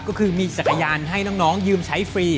ก็คือมีจักรยานให้น้องยืมใช้ฟรี